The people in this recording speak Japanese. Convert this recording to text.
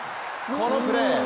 このプレー。